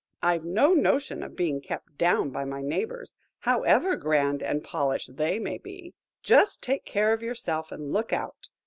I've no notion of being kept down by my neighbours, however grand and polished they may be. Just take care of yourself, and look out.